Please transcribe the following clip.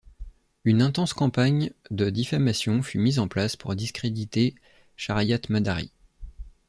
Une intense campagne de diffamation fut mise en place pour discréditer Shariatmadari.